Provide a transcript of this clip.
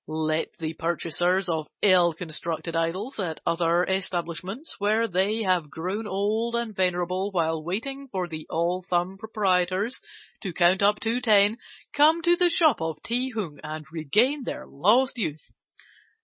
"Let the purchasers of ill constructed idols at other establishments, where they have grown old and venerable while waiting for the all thumb proprietors to count up to ten, come to the shop of Ti Hung and regain their lost youth.